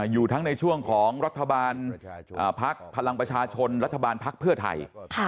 อยู่ทั้งในช่วงของรัฐบาลพักพลังประชาชนรัฐบาลพักเพื่อไทย